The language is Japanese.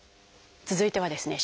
続いてはですね